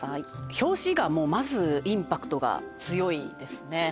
表紙がもうまずインパクトが強いですね